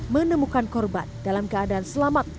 menemukan korban dalam keadaan selamat